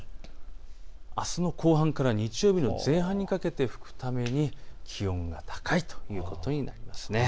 あすの後半から日曜日の前半にかけて気温が高いということになります。